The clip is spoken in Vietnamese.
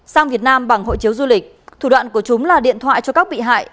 sang việt nam bằng hội chiếu du lịch thủ đoạn của chúng là điện thoại cho các bị hại